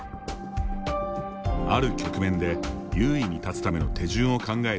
ある局面で優位に立つための手順を考える